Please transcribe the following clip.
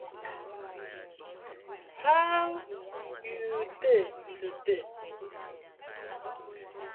How you dey today?